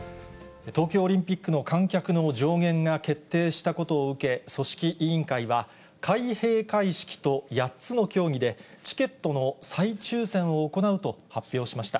東京オリンピックの観客の上限が決定したことを受け、組織委員会は、開閉会式と８つの競技で、チケットの再抽せんを行うと発表しました。